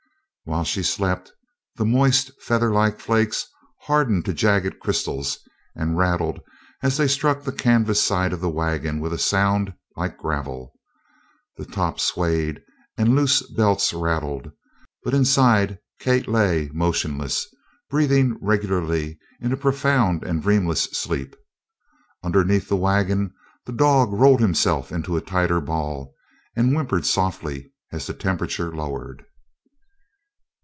While she slept, the moist featherlike flakes hardened to jagged crystals and rattled as they struck the canvas side of the wagon with a sound like gravel. The top swayed and loose belts rattled, but inside Kate lay motionless, breathing regularly in a profound and dreamless sleep. Underneath the wagon the dog rolled himself in a tighter ball and whimpered softly as the temperature lowered.